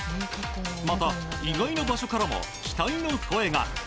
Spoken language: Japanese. また、意外な場所からも期待の声が。